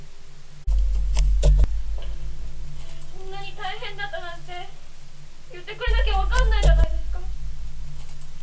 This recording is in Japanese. そんなに大変だったなんて言ってくれなきゃ分かんないじゃないですか。